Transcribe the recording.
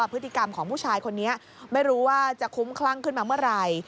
พฤติกรรมของผู้ชายคนนี้ไม่รู้ว่าจะคุ้มคลั่งขึ้นมาเมื่อไหร่